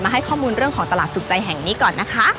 ให้ข้อมูลเรื่องของตลาดสุดใจแห่งนี้ก่อนนะคะ